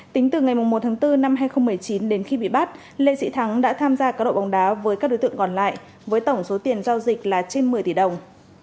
tính từ ngày một tháng bốn năm hai nghìn một mươi chín đến khi bị bắt lê sĩ thắng đã tham gia cá độ bóng đá với các đối tượng còn lại với tổng số tiền giao dịch là trên một mươi tỷ đồng